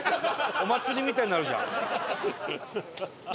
お祭りみたいになるじゃん。